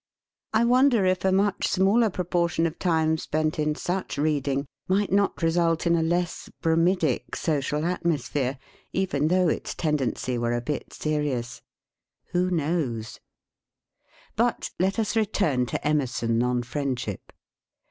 I wonder if a much smaller pro portion of time spent in such reading might 41 THE SPEAKING VOICE not result in a less "bromidic" social atmos phere even though its tendency were a bit serious. Who knows? But let us return to Emerson on Friend ship.